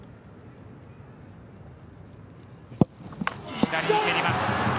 左に蹴ります。